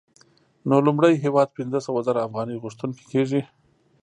نو لومړی هېواد پنځه سوه زره افغانۍ غوښتونکی کېږي